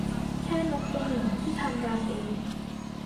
แค่นกตัวหนึ่งที่ทำรังเอง